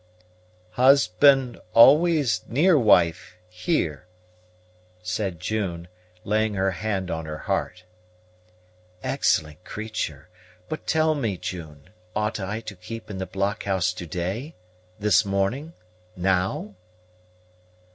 "Husband always near wife, here," said June, laying her hand on her heart. "Excellent creature! But tell me, June, ought I to keep in the blockhouse to day this morning now?"